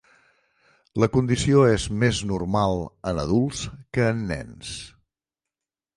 La condició és més normal en adults que en nens.